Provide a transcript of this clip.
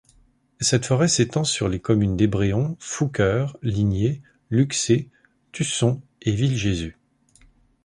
Cette forêt de s'étend sur les communes d'Ébréon, Fouqueure, Ligné, Luxé, Tusson et Villejésus.